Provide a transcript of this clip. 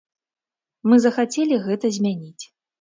Мы захацелі гэта змяніць.